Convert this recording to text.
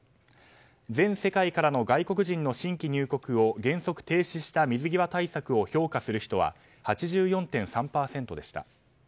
全世界からの外国人の新規入国を原則停止した水際対策を評価する人は８４．３％でした。